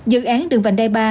dự án đường vành đai ba